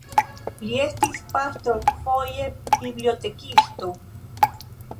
Li estis pastro, foje bibliotekisto.